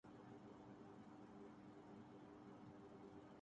چلو بچو، گالیاں دو اب۔